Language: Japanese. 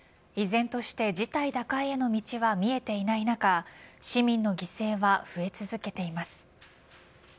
依然として事態打開への道が見えていない中市民の犠牲は増え続けています。